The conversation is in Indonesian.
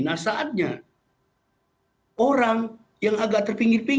nah saatnya orang yang agak terpikir